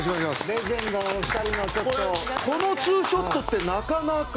このツーショットってなかなか。